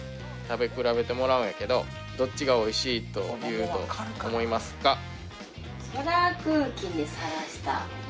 食べ比べてもらうんやけどどっちがおいしいと言うと思いますか？